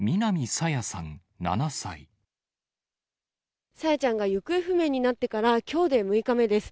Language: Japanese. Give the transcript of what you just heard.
朝芽ちゃんが行方不明になってから、きょうで６日目です。